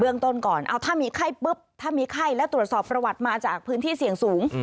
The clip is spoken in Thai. ต้นก่อนเอาถ้ามีไข้ปุ๊บถ้ามีไข้แล้วตรวจสอบประวัติมาจากพื้นที่เสี่ยงสูง